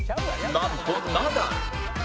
なんとナダル